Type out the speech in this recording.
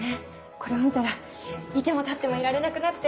これを見たら居ても立ってもいられなくなって。